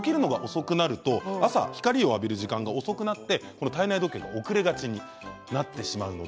起きるのが遅くなると朝、光を浴びる時間が遅くなって体内時計が遅れがちになってしまいます。